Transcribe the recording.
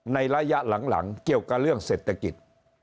ในระยะหลังเกี่ยวกับเรื่องเศรษฐกิจ